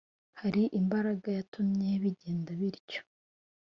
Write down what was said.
Hari imbaraga yatumye bigenda bityo